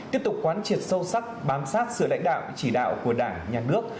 tiếp tục quán triệt sâu sắc bám sát sự lãnh đạo chỉ đạo của đảng nhà nước